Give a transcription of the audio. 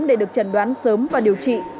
để được trần đoán sớm và điều trị